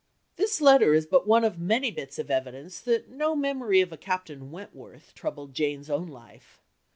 This letter is but one of many bits of evidence that no memory of a Captain Wentworth troubled Jane's own life.